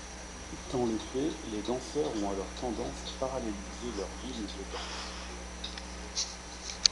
Dans les faits, les danseurs ont alors tendance à paralléliser leurs lignes de danse.